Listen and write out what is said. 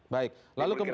baik lalu kemudian